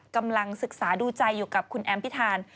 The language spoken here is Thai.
กำลังศึกษาดูใจอยู่กับคุณแอมพิธาน